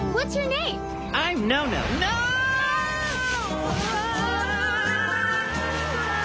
うわ！